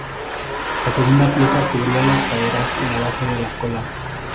La segunda pieza cubría las caderas y la base de la cola.